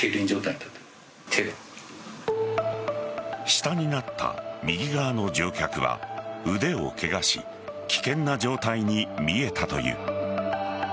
下になった右側の乗客は腕をケガし危険な状態に見えたという。